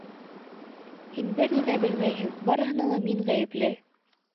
Һин бер ни ҙә белмәйһең, барыһына ла мин ғәйепле!